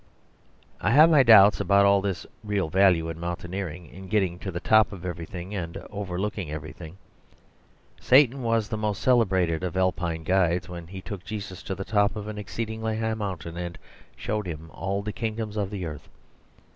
I have my doubts about all this real value in mountaineering, in getting to the top of everything and overlooking everything. Satan was the most celebrated of Alpine guides, when he took Jesus to the top of an exceeding high mountain and showed him all the kingdoms of the earth.